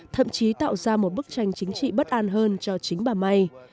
thậm chí tạo ra một bức tranh chính trị bất an hơn cho chính bà may